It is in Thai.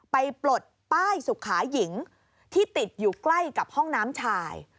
ปลดป้ายสุขาหญิงที่ติดอยู่ใกล้กับห้องน้ำชาย